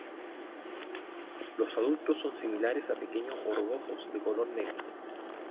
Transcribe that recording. Los adultos son similares a pequeños gorgojos de color negro.